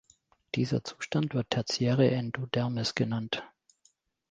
Dieser Zustand wird tertiäre Endodermis genannt.